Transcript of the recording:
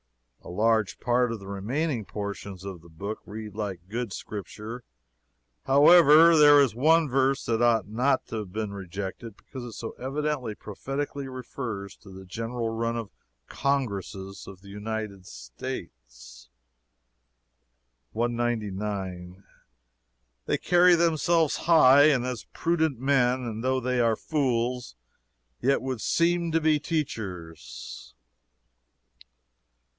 A large part of the remaining portions of the book read like good Scripture, however. There is one verse that ought not to have been rejected, because it so evidently prophetically refers to the general run of Congresses of the United States: "199. They carry themselves high, and as prudent men; and though they are fools, yet would seem to be teachers."